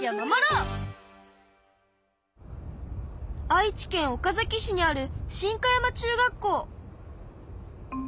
愛知県岡崎市にある新香山中学校。